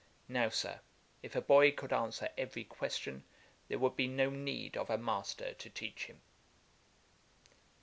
Now, Sir, if a boy could answer every question, there would be no need of a master to teach him.'